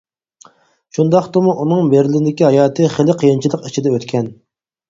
شۇنداقتىمۇ ئۇنىڭ بېرلىندىكى ھاياتى خېلى قىيىنچىلىق ئىچىدە ئۆتكەن.